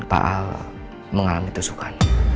pak al mengalami tusukan